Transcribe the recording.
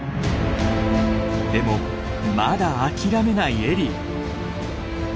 でもまだ諦めないエリー。